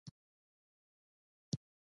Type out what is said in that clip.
دغې ډول ودې ژورو درزونو ته لار هواره کړې وای.